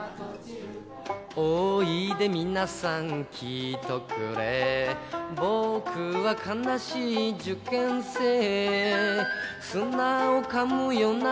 「おいで皆さん聞いとくれ僕は悲しい受験生」「砂をかむよな